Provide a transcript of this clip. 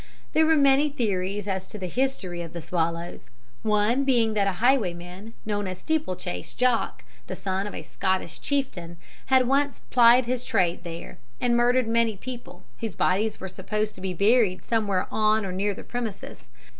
There were many theories as to the history of "The Swallows"; one being that a highwayman, known as Steeplechase Jock, the son of a Scottish chieftain, had once plied his trade there and murdered many people, whose bodies were supposed to be buried somewhere on or near the premises.